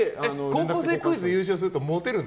「高校生クイズ」優勝するとモテるんだ。